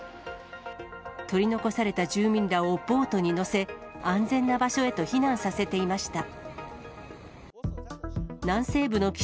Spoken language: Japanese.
取り残された住民らをボートに乗せ、安全な場所へと避難させていました。